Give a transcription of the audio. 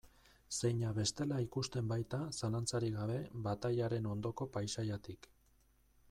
Zeina bestela ikusten baita, zalantzarik gabe, batailaren ondoko paisaiatik.